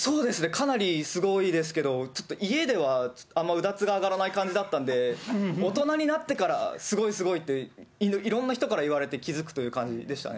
かなりすごいですけど、ちょっと家ではあんまりうだつが上がらない感じだったんで、大人になってからすごいすごいって、いろんな人からいわれて気付くという感じでしたね。